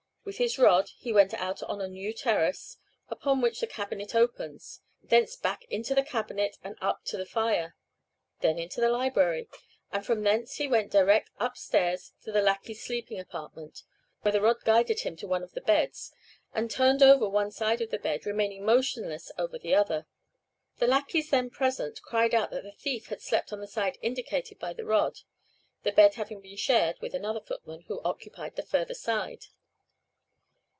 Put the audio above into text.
With his rod he went out on a new terrace, upon which the cabinet opens, thence back into the cabinet and up to the fire, then into the library, and from thence he went direct up stairs to the lackeys' sleeping apartment, when the rod guided him to one of the beds, and turned over one side of the bed, remaining motionless over the other. The lackeys then present cried out that the thief had slept on the side indicated by the rod, the bed having been shared with another footman, who occupied the further side."